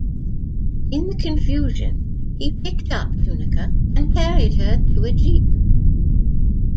In the confusion, he picked up Tunika and carried her to a jeep.